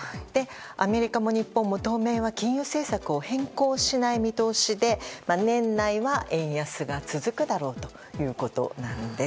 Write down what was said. アメリカも日本も当面は金融政策を変更しない見通しで年内は円安が続くだろうということです。